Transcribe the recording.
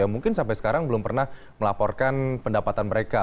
yang mungkin sampai sekarang belum pernah melaporkan pendapatan mereka